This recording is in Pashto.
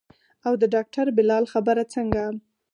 او د ډاکتر بلال خبره څنګه.